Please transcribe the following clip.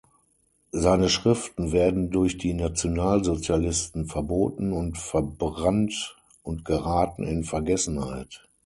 Seine Schriften werden durch die Nationalsozialisten verboten und verbrannt und geraten in Vergessenheit.